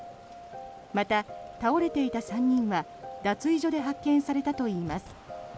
また、倒れていた３人は脱衣所で発見されたといいます。